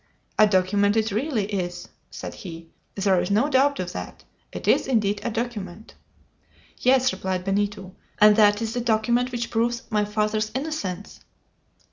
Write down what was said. "A document it really is!" said he; "there is no doubt of that. It is indeed a document!" "Yes," replied Benito; "and that is the document which proves my father's innocence!"